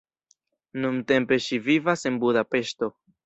Nuntempe ŝi vivas en Budapeŝto.